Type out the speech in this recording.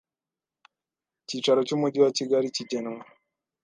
Icyicaro cy Umujyi wa Kigali kigenwa